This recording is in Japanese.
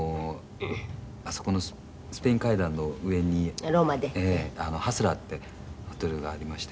あそこのスペイン階段の上にハスラーってホテルがありまして。